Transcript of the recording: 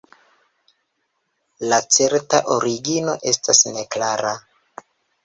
La certa origino estas neklara.